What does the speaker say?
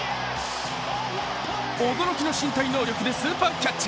驚きの身体能力でスーパーキャッチ。